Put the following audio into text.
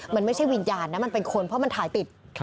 มันไม่ใช่วิญญาณนะมันเป็นคนเพราะมันถ่ายติด